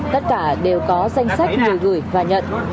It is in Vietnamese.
tất cả đều có danh sách người gửi và nhận